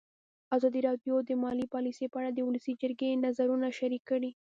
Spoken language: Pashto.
ازادي راډیو د مالي پالیسي په اړه د ولسي جرګې نظرونه شریک کړي.